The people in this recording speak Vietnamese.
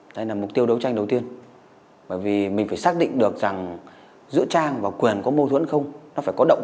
tại sao để cho thể hiện rằng trang không thấy được